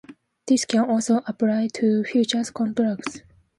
This can also apply to futures contracts.